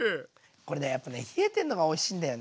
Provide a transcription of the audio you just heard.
これねやっぱね冷えてるのがおいしいんだよね。